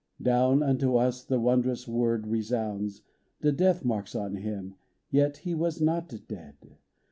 Down unto us the wondrous word resounds ; The death marks on Him, yet He was not dead.